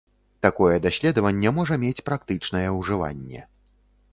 Такое даследаванне можа мець практычнае ўжыванне.